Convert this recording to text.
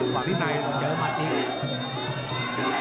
ฝังที่ในหรอเจอมันอีก